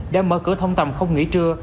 đã mở cửa thông tầm không nghỉ trưa